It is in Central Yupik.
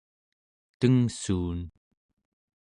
tengssuun